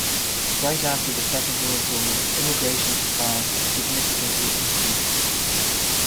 Right after the Second World War, immigration to France significantly increased.